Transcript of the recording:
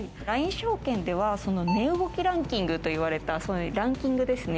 証券では値動きランキングといわれたランキングですね。